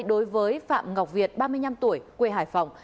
đối với phạm ngọc việt ba mươi năm tuổi quê hải phòng